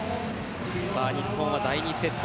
日本は第２セット